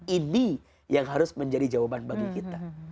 ini yang harus menjadi jawaban bagi kita